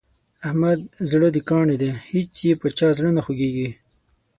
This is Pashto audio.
د احمد زړه د کاڼي دی هېڅ یې په چا زړه نه خوږېږي.